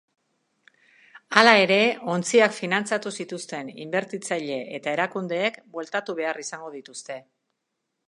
Hala ere, ontziak finantzatu zituzten inbertitzaile eta erakundeek bueltatu behar izango dituzte.